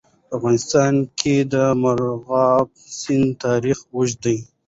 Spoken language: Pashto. په افغانستان کې د مورغاب سیند تاریخ اوږد دی.